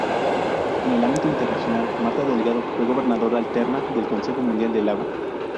En el ámbito internacional Martha Delgado fue Gobernadora Alterna del Consejo Mundial del Agua.